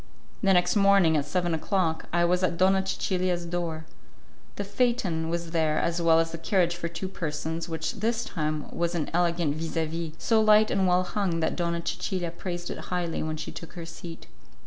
The next morning, at seven o'clock, I was at Donna Cecilia's door. The phaeton was there as well as the carriage for two persons, which this time was an elegant vis a vis, so light and well hung that Donna Cecilia praised it highly when she took her seat.